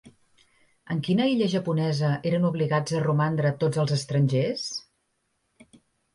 En quina illa japonesa eren obligats a romandre tots els estrangers?